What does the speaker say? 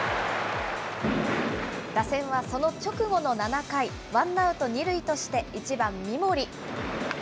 打線はその直後の７回、ワンアウト２塁として、１番三森。